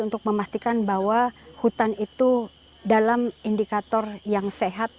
untuk memastikan bahwa hutan itu dalam indikator yang sehat